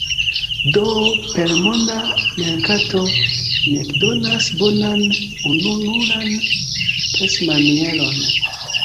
Do, per monda merkato, ni ekdonas bonan, ununuran pensmanieron.